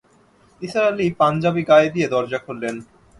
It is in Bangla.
নিসার আলি পাঞ্জাবি গায়ে দিয়ে দরজা খুললেন।